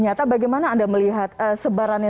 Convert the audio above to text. nyata bagaimana anda melihat sebarannya